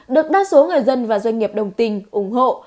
được đa số người dân và doanh nghiệp đồng tình ủng hộ